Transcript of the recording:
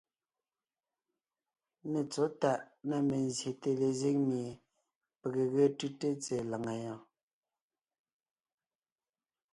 Nê tsɔ̌ tàʼ na mezsyète lezíŋ mie pege ge tʉ́te tsɛ̀ɛ làŋa yɔɔn.